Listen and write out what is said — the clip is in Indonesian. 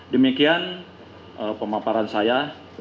demikian pemaparan saya